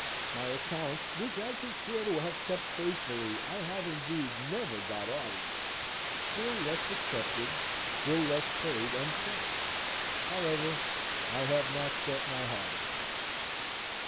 My accounts, which I can swear to have kept faithfully, I have, indeed, never got audited, still less accepted, still less paid and settled. However, I have not set my heart on that.